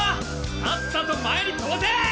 さっさと前にとばせ！